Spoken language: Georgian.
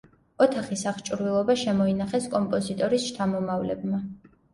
ოთახის აღჭურვილობა შემოინახეს კომპოზიტორის შთამომავლებმა.